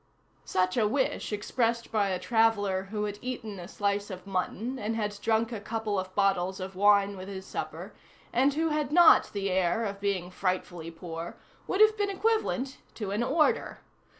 Such a wish expressed by a traveller who had eaten a slice of mutton and had drunk a couple of bottles of wine with his supper, and who had not the air of being frightfully poor, would have been equivalent to an order.